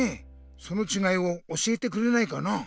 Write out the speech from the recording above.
そのちがいを教えてくれないかな。